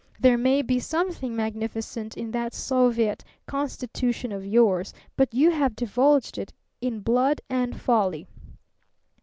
There may be something magnificent in that soviet constitution of yours; but you have deluged it in blood and folly.